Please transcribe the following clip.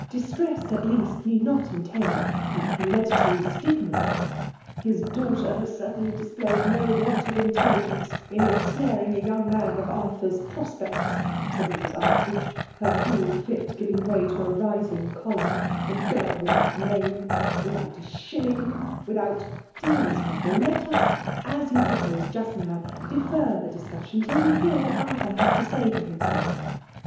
Distress, at least, need not entail aa hereditary stigma." '' His daughter has certainly displayed no want of intelligence in ensnaring a young man of Arthur's prospects,*' said Mrs. Armytage,. her cool fit giviog way to rising choler. '' A girl without name — without a shilling ^witk* out—'* " Dearest mother, let us ^as yoii proposed just now nlefer the discussioki till we hear what Arthur has to say for himself."